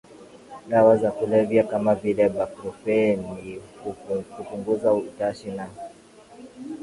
dawa za kulevya kama vile baklofeni kupunguza utashi na